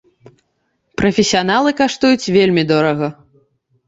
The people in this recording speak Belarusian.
Прафесіяналы каштуюць вельмі дорага.